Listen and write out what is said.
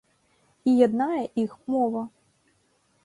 І яднае іх мова.